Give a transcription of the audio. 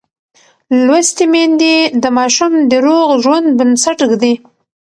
لوستې میندې د ماشوم د روغ ژوند بنسټ ږدي.